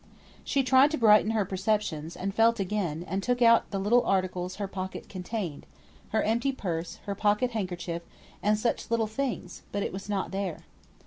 She tried to brighten her perceptions, and felt again, and took out the little articles her pocket contained, her empty purse, her pocket handkerchief, and such little things, but it was not there.